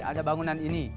ada bangunan ini